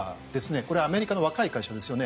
これはアメリカの若い会社ですね。